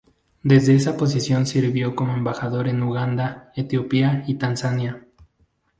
Desde esa posición sirvió como Embajador en Uganda, Etiopía y Tanzania.